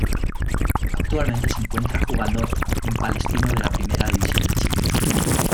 Actualmente se encuentra jugando en Palestino de la Primera División de Chile.